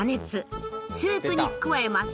スープに加えます。